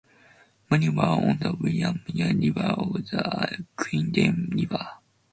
Many were on the Willimantic River or the Quinebaug River.